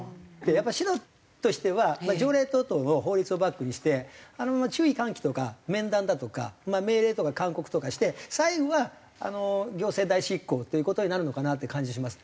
やっぱり市としては条例等々の法律をバックにしてあのまま注意喚起とか面談だとか命令とか勧告とかして最後は行政代執行っていう事になるのかなって感じがします。